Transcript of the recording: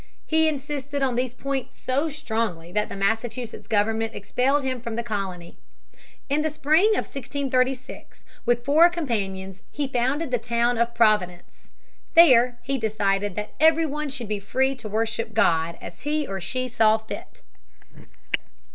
He insisted on these points so strongly that the Massachusetts government expelled him from the colony. In the spring of 1636; with four companions he founded the town of Providence. There he decided that every one should be free to worship God as he or she saw fit.